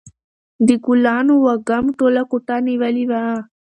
د ګلانو وږم ټوله کوټه نیولې وه.